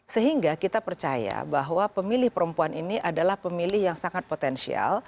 sehingga kita percaya bahwa pemilih perempuan ini adalah pemilih yang sangat potensial